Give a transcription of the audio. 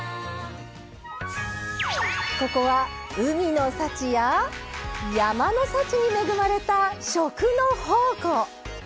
ここは海の幸や山の幸に恵まれた食の宝庫。